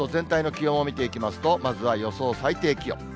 関東全体の気温を見ていきますと、まずは予想最低気温。